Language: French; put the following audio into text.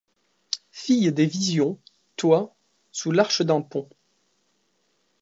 Filles des visions, toi, sous l’arche d’un pont